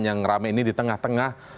yang rame ini di tengah tengah